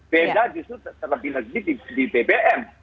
beda justru terlebih lagi di bbm